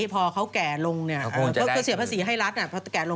พอเขาแก่ลงก็เสียภาษีให้รัฐ